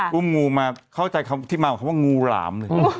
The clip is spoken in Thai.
คุ้มงูมาเข้าใจที่มาของคำว่างูหลาม